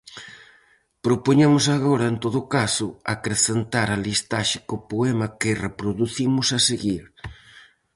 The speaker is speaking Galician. Propoñemos agora, en todo caso, acrecentar a listaxe co poema que reproducimos a seguir.